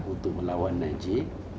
untuk melawan najib